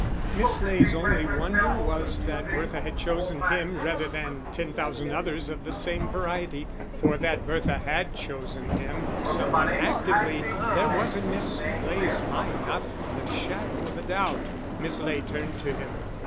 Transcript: Miss Ley's only wonder was that Bertha had chosen him rather than ten thousand others of the same variety, for that Bertha had chosen him somewhat actively there was in Miss Ley's mind not the shadow of a doubt. Miss Ley turned to him.